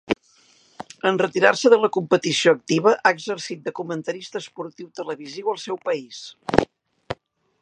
En retirar-se de la competició activa ha exercit de comentarista esportiu televisiu al seu país.